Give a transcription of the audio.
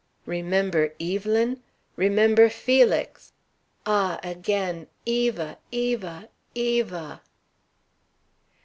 Remember Evelyn? Remember Felix! Ah, again! Eva! Eva! Eva!"